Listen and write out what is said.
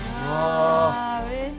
うれしい。